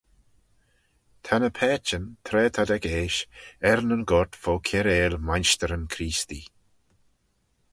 Ta ny paitçhyn, tra t'ad ec eash, er nyn goyrt fo kiarail Mainshteryn Creestee.